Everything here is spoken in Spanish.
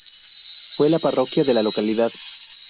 Fue la parroquia de la localidad.